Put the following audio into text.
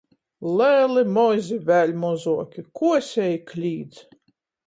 Leli, mozi, vēļ mozuoki. Kuosej i klīdz.